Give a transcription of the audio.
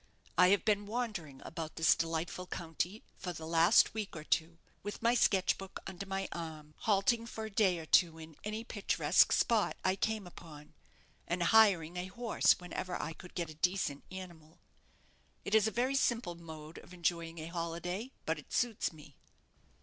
I have been wandering about this delightful county for the last week or two, with my sketch book under my arm halting for a day or two in any picturesque spot I came upon, and hiring a horse whenever I could get a decent animal. It is a very simple mode of enjoying a holiday; but it suits me."